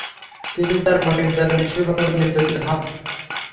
তিনি তার মনিব দ্বারা নিষ্ঠুরভাবে নির্যাতিত হন।